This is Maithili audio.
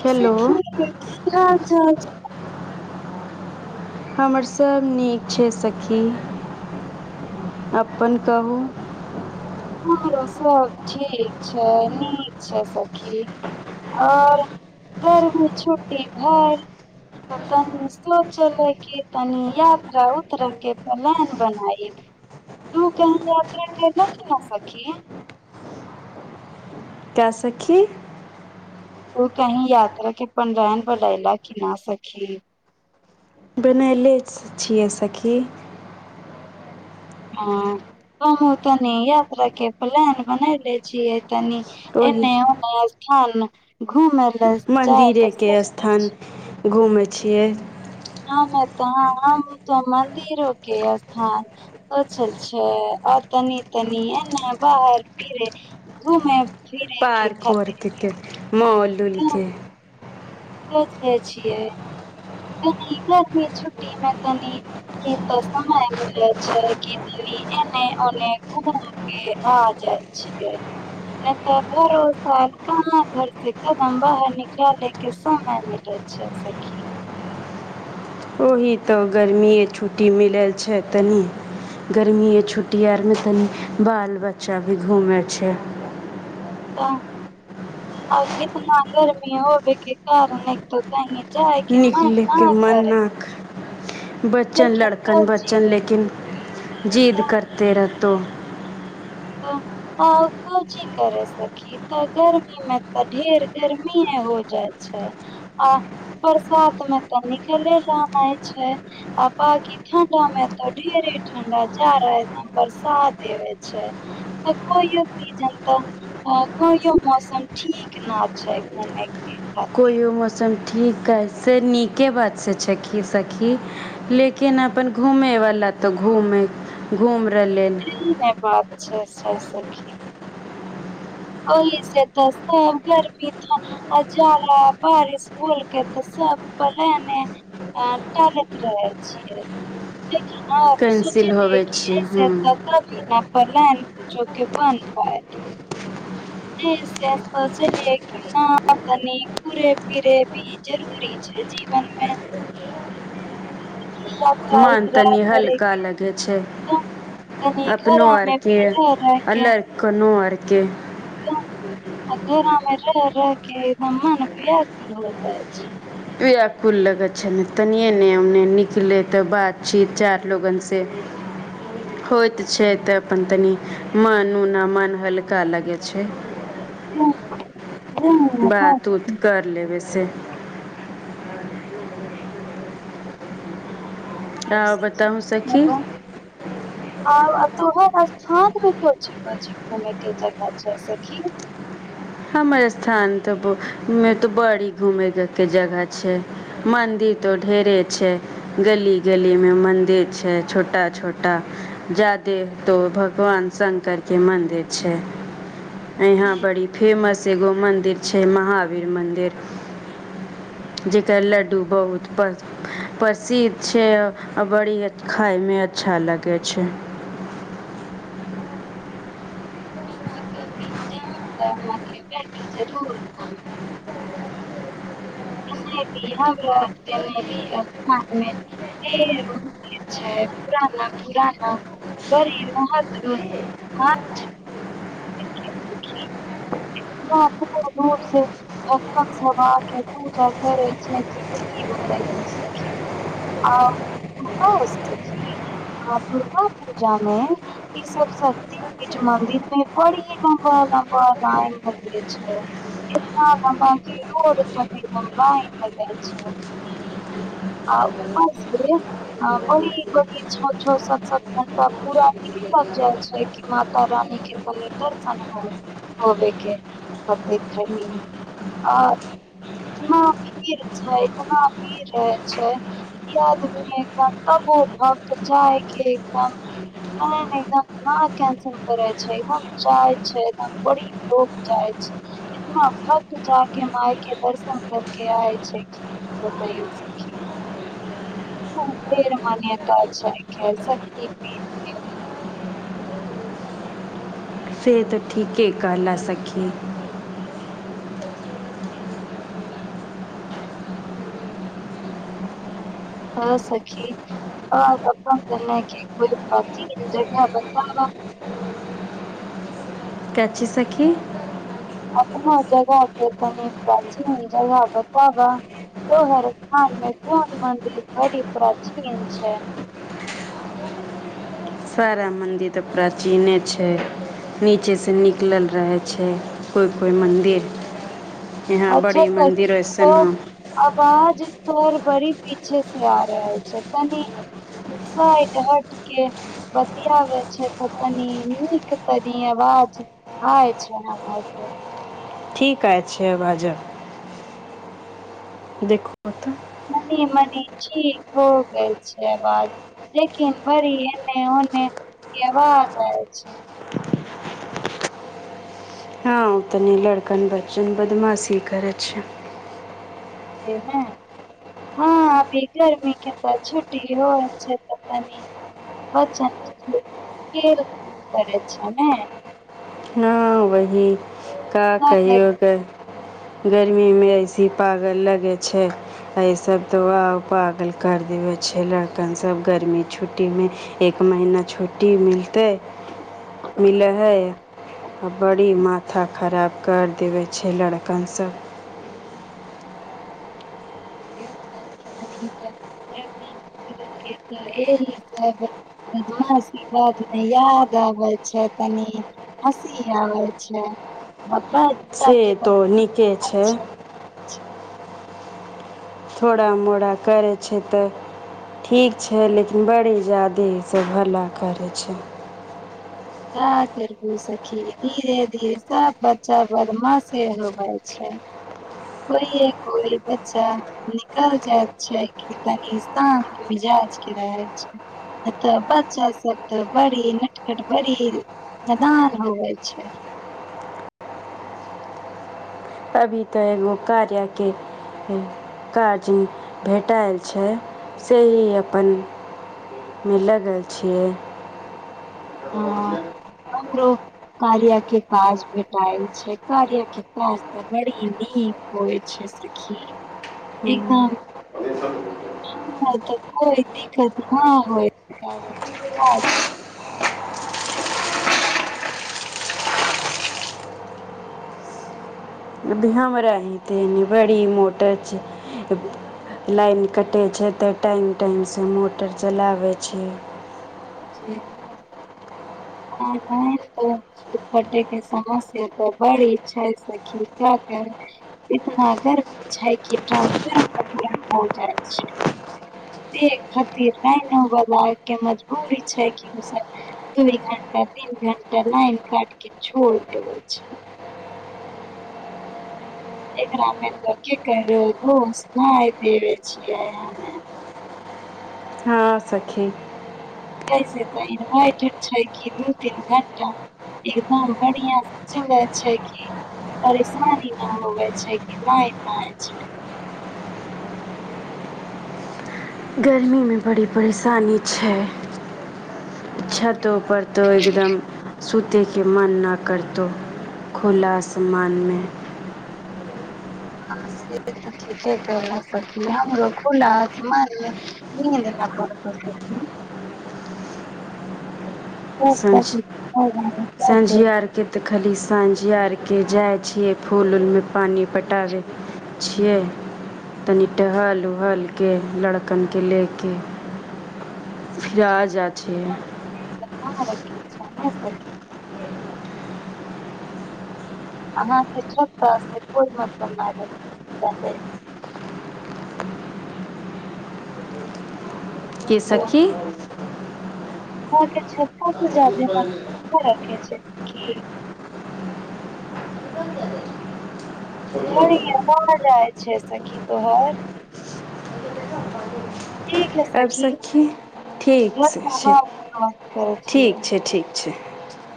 हेलो आंघ हमर सभ नीक छै सखी अपन कहू ह सब ठीक छै नीक छै सखी आओर गरमी छुट्टी भ तऽ तनि सोचलै क तनी यात्रा उतर के प्लान बनाय रू के यात्रा कल सखी के सखी तो कहीं यात्रा के पलान बनैला की नहि सखी बनयले छियै सखी हँ त हम तनी यात्रा के प्लान बनै ले छिय तनी ओहि एने ओने फोन घूमै मंदिरे के स्थान घुमे छै छियै त हम त मन्दिरो के स्थान सोचल छै आ तनि तनि एने बाहर फिरे घूमे फिरे के पार्क आओर खातिर देखेब मौल दुलके पुछै छियै कनि छुट्टी मे तनि क तऽ समय मिले छै कि तनी एने ओने घूम के आ जाय छियै नहि तऽ भरो साल कहाँ घर से कदम बाहर निकाले के समय मिले छै सखी ओही तऽ गरमिे छुट्टी मिलल छै तनि गर्मिे येछुट्टी आरमे तनि बाल बच्चा भी घुमै छै आगे त हँ गर्मी होब कि घ निकलेके मन ना नख बचन लेकिन लड़कन कची बचन लैकिन जीद करते रहत त्तो आ को चिज करे सखी तऽ गर्मी में तऽ ढेर गर्मीेये हो जाय छै आ बरसात में तऽ निकले ना छै आ बाकि ठंडा में तऽ ढेर ठंडा जा रहा बरसात एबे छै तऽ कोयो सीजन तऽ कोयो मौसम ठीक न छै घूमे के कोयो मौसम ठीक कै से नीके बात से सखी सखी लेकिन अपन घूमे वाला तो घूमे घूमे शी रह बात अच्छा अच्छा सखी ओहि से तऽ सब गर्मी जाड़ा बारिश भुल के तऽ सब पलयने टालैत रहै छ लेकिन ह कैंसिल सोचलि होबै कि छै हे से पता भी न पलनि जोकी बन्द होय से सोचलियै कि न कनि घुरे फिरे भी जरूरी छै जीवनमे मान तनि करे के हल्का लगे छै कम तनी अपनो घरा मे आरके भी आ लर कनो आरके के में र र केना म ने ब्याकुल भऽ जाय छै व्याकुल लगैत छै ने तनिये ने ओने निकलै तऽ बातचीत चारि लोगनसँ होइत छै तऽ अपन तनि मन उना मन हल्का लगै छै हँ बात उत कर लेबै सँ आउ बताहू सखी आउ [inaudible] तोहर स्थानमे [inaudible] कोइ कह घूमय केँ जगह छै सखी हमर स्थान तऽ में तऽ बड़ी घूमयके जगह छै मन्दिर तऽ ढेरे छै गली गलीमे मन्दिर छै छोटा छोटा जादे तऽ भगवान शंकरकेँ मन्दिर छै इहाँ हम्म बड़ी फेमस एगो मंदिर छै महावीर मंदिर जेकर लड्डू बहुत प्रसिद्ध छै बड़ी खायमे अच्छा लगैत छै जरूर खाएब [inaudible] हमरा तऽ याद स्थानमे छै पुराना पुराना बड़ी महत्वकेँ [inaudible] बापरौ बा भक्त सभ आ के पूजा करै छथि आ दुर्गा पूजामे ई सब शक्ति पीठ मन्दिर मे बड़ी लंबा-लंबा लाइन [inaudible] एतना लम्बा की रोड तक लाइन लगै छै आ ऊपर सँ ओ सभ छह-छह सात-सात घंटा तऽ पूरा ई लग जाइ छै कि माता रानी केँ दर्शन होबए केँ [inaudible] देखैएके आ इतना भीड़ छै इतना भीड़ रहै छै बाद भेल तबो भक्त जायकेँ एकदम कैंसिल करै छै एकदम जाइ छै बड़ी [inaudible] जाइ छै एतना भक्त जाइके मायकेँ दर्शन करके आय छै की कहि सखी हँ फेर मन ये ओतए जायकेँ शक्ति पीठके [inaudible] से तऽ ठीके कहला सखी हँ सखी आओर अपन केना की कोइ प्राचीन जगह बताब का चीज सखी अपना जगहकेँ तनी प्राचीन जगह बताब स्थान कोइ मन्दिर भरी प्राचीन छै [inaudible] सारा मन्दिर तऽ प्राचीने छै नीचेसँ निकलल रहैत छै कोइ कोइ मन्दिर अच्छा तब ठीक ह अबाज [inaudible] तोहर बड़ी पीछे से आ रहल छै तनी साइड हटके बतियाबे छै तऽ तनि नीक तनी अवाज आय छै अहाँकेँ ठीक आबै छै बाज देखू तनी मनी मनी ठीक हो गेल छै अवाज लेकिन बड़ी एने ओने केँ अवाज आवैत छै हो तनी लड़कन बच्चन बदमाशी करैत छै जे नै हँ अभी गरमीकेँ तऽ छुट्टी होइल छै तऽ तनि बच्चन बुच्ची खेल करैत छै नै हँ बहीन का ना कहियो गै गर्मीमे ऐसही पागल लगैत छै आ इ सब तऽ आओर पागल कर देबय छै लड़कन सब गर्मी छुट्टीमे एक महीना छुट्टी मिलतै मिलै हइ आ बड़ी माथा खराब करि देबै छै लड़कनसभ एहि सभ चीज वादमे याद आबय छै तनी हँसी आबैय छै [inaudible] से के तो नीके छै बदमाश थोड़ा मोड़ा करै छै तऽ ठीक छै लेकिन बड़ी जादे इ सभ हल्ला करैत छै का करबू सखी धीरे धीरे सभ बच्चा बदमाशे हो जाइत छै कोइए कोइ बच्चा निकल जायत छै की तनि शान्त मिजाजकेँ रहैत छै नै तऽ बच्चा सभ तऽ बड़ी नटखट बड़ी नदान होैबै छै अभी तऽ एगो कार्याके काज भेटायल छै सेहे अपनमे लगल छियै हँ हमरो कार्या केँ काज भेटाएल छै कार्या केँ काज तऽ बड़ी नीक होइत छै सखी एकदम तऽ कोइ दिक्कत नहि होइ रहलै काज सँ अभी हमरा ही तऽ बड़ी मोटर छै लाइन कटै छै तऽ टाइम टाइमसँ मोटर चलाबैत छियै। त लाइन कटेकेँ समस्या तऽ बड़ी छै से का कही इतना गर्मी छै कि ट्रांसफार्म तक गर्म हो जाइत छै [inaudible] से खातिर लाइन होव लागके मजबूरी छै कि ओ दुइ घंटा तीन घण्टा लाइन काटके छोड़ देबै छै [inaudible] एकरामे तऽ की कही बोस धारि देबे छियै हम्मे [inaudible] आ सखी से तऽ इनवाटर छैक कि दू तीन घंटा एकदम बढ़िया से चले छैक कि परेशानी नहि होबय छैक कि लाइन रहय छैक गर्मीमे बड़ी परेशानी छैक छ्तहु पड़ एकदम सुतयकेँ मन नहि करतहुं खुला आसमानमे कर सी हमरो खुलामान पी [unintelligible] सखी सांझ आरकेँ तऽ खाली साँझ आरकें जाइत छियैक फूल उलमे पानि पटाबैत छियैक तनि टहल उहलकेँ लड़कने लेके फिर आ जा छियैक हँ रखय छैक अहाँके छ [unintelligible] त को मतागतै केँ सखी ह [inaudible] ह त छै [unintelligible] ख छै [unintelligible] क [inaudible] ह बाँ जाइ छै सखी तो हर [unintelligible] आबि सखी ठीक छै हम ठ बात करै छियै ठीक छै ठीक छै [inaudible]